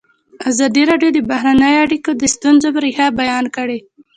ازادي راډیو د بهرنۍ اړیکې د ستونزو رېښه بیان کړې.